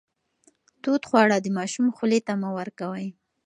تود خواړه د ماشوم خولې ته مه ورکوئ.